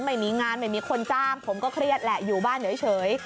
ไม่มีงานไม่มีคนจ้างผมก็เครียดแหละอยู่บ้านเฉย